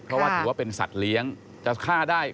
เพราะว่าถือว่าเป็นสัตว์เลี้ยงจะฆ่าได้